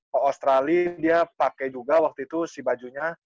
ko australi dia pake juga waktu itu si bajunya